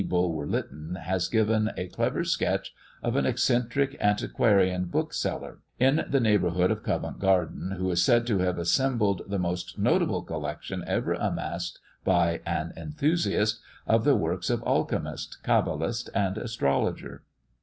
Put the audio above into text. Bulwer Lytton has given a clever sketch of an eccentric antiquarian bookseller, in the neighbourhood of Covent Garden, who is said to have assembled "the most notable collection ever amassed by an enthusiast, of the works of alchemist, cabalist, and astrologer."